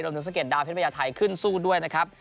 สะเด็ดดาวเพชรพญาไทยขึ้นสู้ด้วยนะครับ